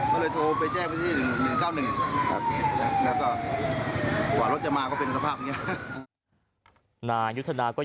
ก็เลยโทรจะแจ้วติธิ๑๙๑ประมาทว่ารถจะมาเป็นสภาพนายุทธนาก็ยังบอกอีกว่า